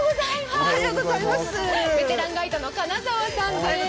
ベテランガイドの金澤さんです。